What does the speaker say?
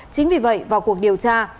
chính vì vậy vào cuộc điều tra